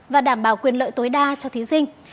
và đảm bảo quyền lợi tối đa cho thí sinh